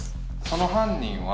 その犯人は。